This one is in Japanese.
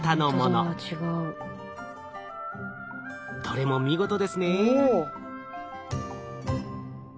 どれも見事ですねぇ。